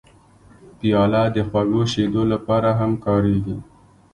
پیاله د خوږو شیدو لپاره هم کارېږي.